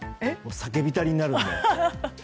酒浸りになるので。